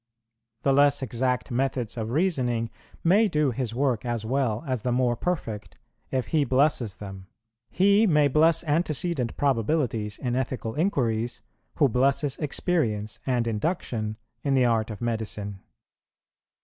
The less exact methods of reasoning may do His work as well as the more perfect, if He blesses them. He may bless antecedent probabilities in ethical inquiries, who blesses experience and induction in the art of medicine.